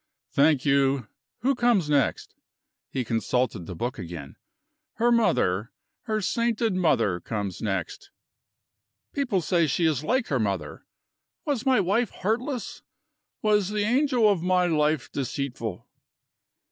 "Thank you. Who comes next?" He consulted the book again. "Her mother, her sainted mother, comes next. People say she is like her mother. Was my wife heartless? Was the angel of my life deceitful?"